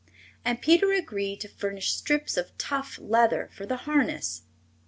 And Peter agreed to furnish strips of tough leather for the harness.